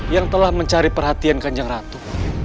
yang telah mencari perhatian kanjeng ratu